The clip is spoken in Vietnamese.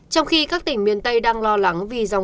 trong khi các tỉnh miền tây đang lo lắng vì dòng